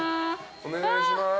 お願いします。